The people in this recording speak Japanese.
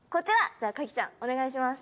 じゃあ賀喜ちゃんお願いします。